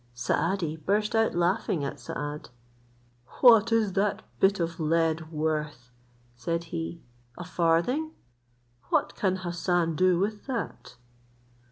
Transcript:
Saadi, burst out laughing at Saad. "What is that bit of lead worth," said he, "a farthing? What can Hassan do with that?"